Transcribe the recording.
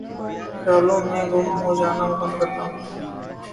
خیالوں میں گم ہو جانا پسند کرتا ہوں